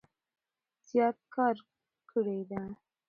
زيات کار کړي دی